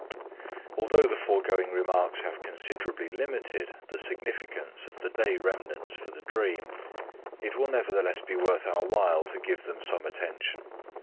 Although the foregoing remarks have considerably limited the significance of the day remnants for the dream, it will nevertheless be worth our while to give them some attention.